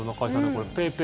これ。